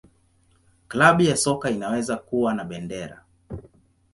Klabu ya soka inaweza kuwa na bendera.